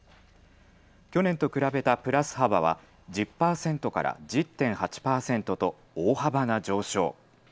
去年と比べたプラス幅は１０％から１０．８％と大幅な上昇。